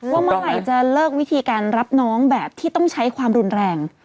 ว่าเมื่อไหร่จะเลิกวิธีการรับน้องแบบที่ต้องใช้ความรุนแรง